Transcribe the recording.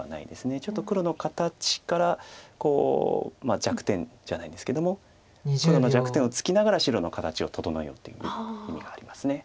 ちょっと黒の形から弱点じゃないんですけども黒の弱点をつきながら白の形を整えようっていう意味があります。